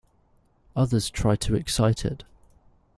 Others try to excite it.